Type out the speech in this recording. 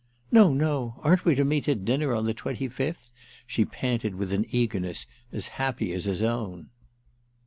"No, no—aren't we to meet at dinner on the twenty fifth?" she panted with an eagerness as happy as his own.